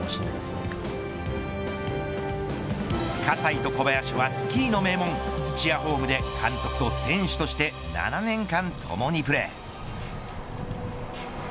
葛西と小林はスキーの名門、土屋ホームで監督と選手として７年間ともにプレー。